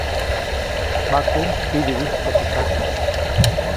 Makuʼuŋ pidiwijtpa teʼ kak.